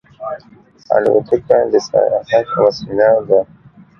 الوتکه د سیاحت وسیله ده.